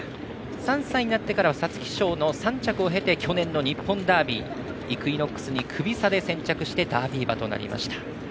３歳になってからは皐月賞の３着を経て去年の日本ダービーイクイノックスにクビ差で先着してダービー馬となりました。